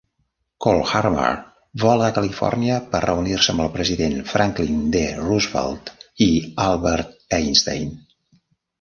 Kolhammer vola a Califòrnia per reunir-se amb el president Franklin D. Roosevelt i Albert Einstein.